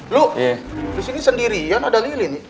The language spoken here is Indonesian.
lo disini sendirian ada lilin